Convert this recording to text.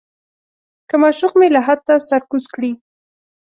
که معشوق مې لحد ته سر کوز کړي.